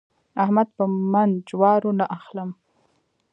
احمد په من جوارو نه اخلم.